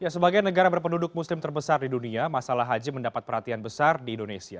sebagai negara berpenduduk muslim terbesar di dunia masalah haji mendapat perhatian besar di indonesia